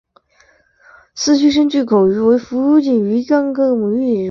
丝须深巨口鱼为辐鳍鱼纲巨口鱼目巨口鱼科的其中一种。